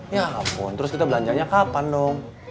ya ampun terus kita belanjanya kapan dong